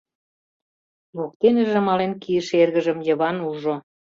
Воктеныже мален кийыше эргыжым Йыван ужо.